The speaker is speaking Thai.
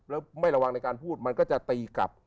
แล้วไม่ระวังในการพูดมันก็จะตีกลับ